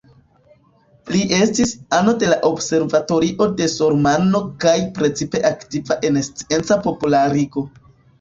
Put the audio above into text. Li estis ano de la Observatorio de Sormano kaj precipe aktiva en scienca popularigo.